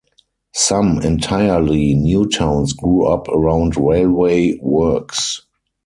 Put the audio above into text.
Some entirely new towns grew up around railway works.